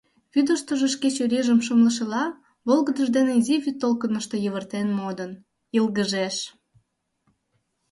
Вӱдыштӧ шке чурийжым шымлышыла, волгыдыж дене изи вӱдтолкынышто, йывыртен модын, йылгыжеш.